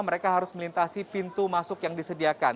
mereka harus melintasi pintu masuk yang disediakan